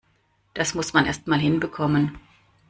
Das muss man erst mal hinbekommen!